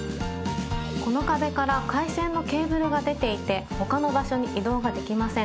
この壁から回線のケーブルが出ていて他の場所に移動ができません。